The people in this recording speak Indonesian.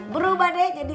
berubah deh jadi